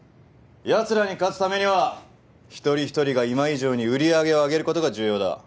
やつらに勝つためには一人一人が今以上に売り上げを上げることが重要だ。